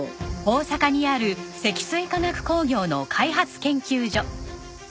大阪にある積水化学工業の開発研究所。